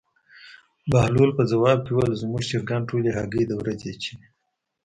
بهلول په ځواب کې وویل: زموږ چرګان ټولې هګۍ د ورځې اچوي.